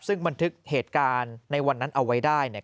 ซึ่งบันทึกเหตุการณ์ในวันนั้นเอาไว้ได้เนี่ย